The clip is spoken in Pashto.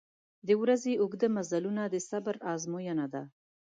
• د ورځې اوږده مزلونه د صبر آزموینه ده.